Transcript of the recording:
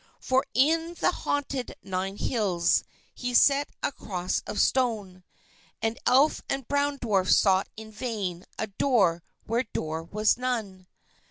For in the haunted Nine Hills he set a cross of stone; And Elf and Brown Dwarf sought in vain a door where door was none.